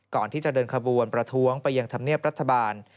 ก่อนที่จะเดินขบวนประท้วงไปยังธรรมเนียบรัฐบาล